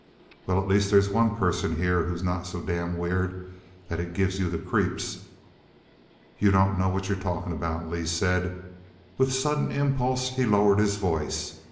"Well, at least there's one person here who's not so damn weird that it gives you the creeps." "You don't know what you're talking about," Lee said. With sudden impulse he lowered his voice.